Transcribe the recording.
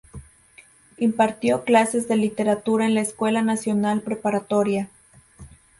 Impartió clases de Literatura en la Escuela Nacional Preparatoria.